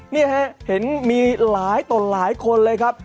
นี่ฮะเห็นมีหลายต่อหลายคนเลยครับ